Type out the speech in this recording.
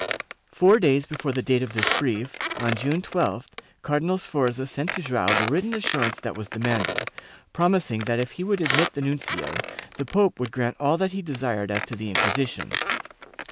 Four days before the date of this brief, on June 12th, Cardinal Sforza sent to Joao the written assurance that was demanded, promising that if he would admit the nuncio, the pope would grant all that he desired as to the Inquisition.